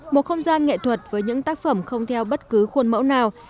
một không gian nghệ thuật với những tác phẩm không theo bất cứ khuôn mẫu nào